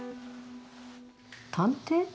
探偵？